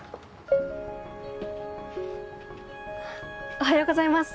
おはようございます。